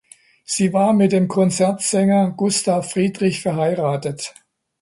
Sie war mit dem Konzertsänger "Gustav Friedrich" verheiratet.